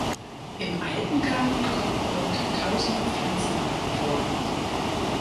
Im Alpengarten kommen rund tausend Pflanzenarten vor.